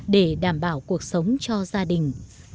để đảm bảo cuộc sống cho gia đình